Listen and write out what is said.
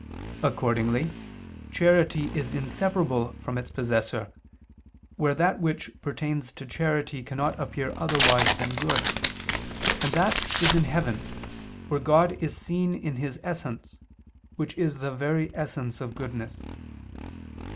Accordingly charity is inseparable from its possessor, where that which pertains to charity cannot appear otherwise than good, and that is in heaven, where God is seen in His Essence, which is the very essence of goodness.